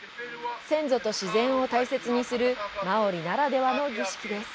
先祖と自然を大切にするマオリならではの儀式です。